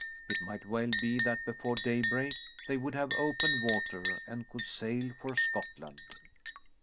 It might well be that before daybreak they would have open water and could sail for Scotland.